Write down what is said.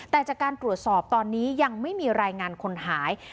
แต่จากการตรวจสอบตอนนี้ยังไม่มีรายงานคนหาย